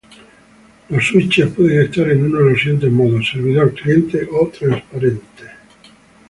Los "switches" pueden estar en uno de los siguientes modos: servidor, cliente o transparente.